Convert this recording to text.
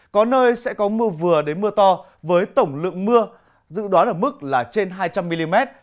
có nơi sẽ có mưa vừa đến mưa to với tổng lượng mưa dự đoán ở mức là trên hai trăm linh mm